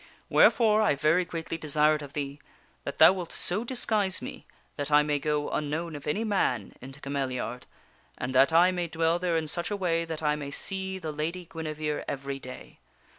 Wherefore I very openeth his greatly desire it of thee that thou wilt so disguise me that I heart to Mer m. mav g O> un k nO wn of any man, into Cameliard, and that I may dwell there in such a way that I may see the Lady Guinevere every day.